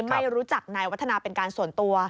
ไม่รู้จักนายวัฒนาเป็นการส่วนตัว